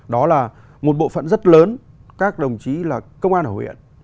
đó là một bộ phận rất lớn các đồng chí là công an của huyện